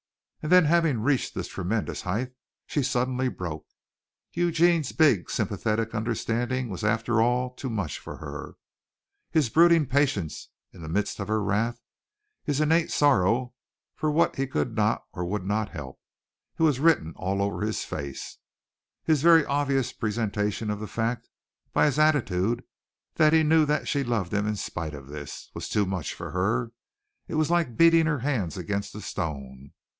And then having reached this tremendous height she suddenly broke. Eugene's big, sympathetic understanding was after all too much for her. His brooding patience in the midst of her wrath, his innate sorrow for what he could not or would not help (it was written all over his face), his very obvious presentation of the fact by his attitude that he knew that she loved him in spite of this, was too much for her. It was like beating her hands against a stone.